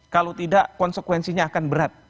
kalau tidak konsekuensinya akan berat